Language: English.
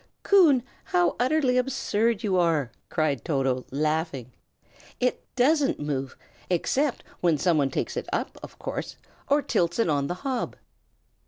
"Coon, how utterly absurd you are!" cried Toto, laughing. "It doesn't move, except when some one takes it up, of course, or tilts it on the hob."